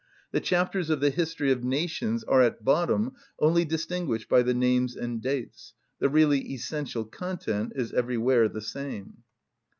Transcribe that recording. The chapters of the history of nations are at bottom only distinguished by the names and dates; the really essential content is everywhere the same.